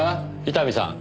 伊丹さん。